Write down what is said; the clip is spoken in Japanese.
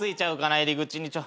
入り口に。